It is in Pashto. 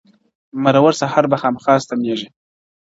مرور سهار به خامخا ستنېږي,